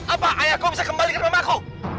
apa yang mau ayahku bisa kembalikan kemama aku